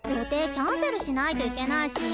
キャンセルしないといけないし。